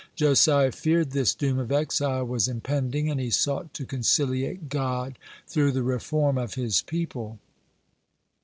Josiah feared this doom of exile was impending, and he sought to conciliate God through the reform of his people.